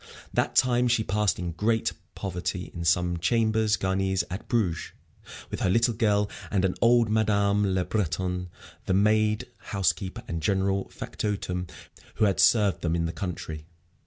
That time she passed in great poverty in some chambres garnies at Bruges, with her little girl and an old Madame Le Breton, the maid, housekeeper, and general factotum who had served them in the country.